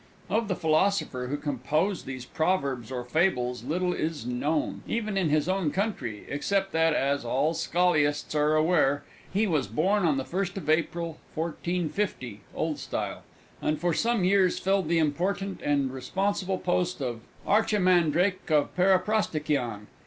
Of the Philosopher who composed these Proverbs or Fables little is known, even in his own country, except that (as all Scholiasts are aware) he was born on the 1st of April 1450 (old style), and for some years filled the important and responsible post of Archi mandrake of Paraprosdokian.